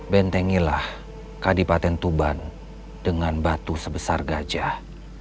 bentengilah kadipaten tuban dengan batu sebesar gajah